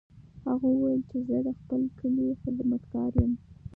هغه وویل چې زه د خپل کلي خدمتګار یم.